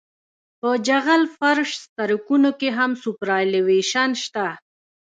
په جغل فرش سرکونو کې هم سوپرایلیویشن شته